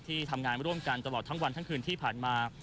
ทำงานร่วมกันตลอดทั้งวันทั้งคืนที่ผ่านมา